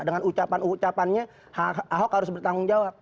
dengan ucapan ucapannya ahok harus bertanggung jawab